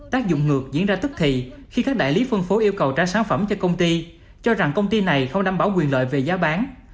tác dụng ngược diễn ra tức thì khi các đại lý phân phối yêu cầu trả sản phẩm cho công ty cho rằng công ty này không đảm bảo quyền lợi về giá bán